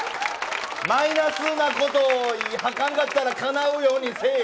マイナスなことをはかんかったらかなうようにせえよ。